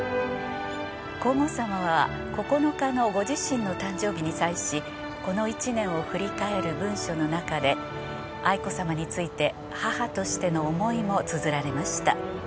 皇后さまは９日のご自身の誕生日に際しこの一年を振り返る文書の中で愛子さまについて母としての思いもつづられました。